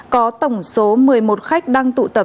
có tổng số một mươi một khách đang tụ tập